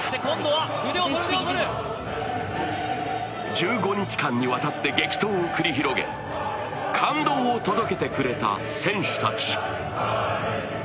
１５日間にわたって、激闘を繰り広げ、感動を届けてくれた選手たち。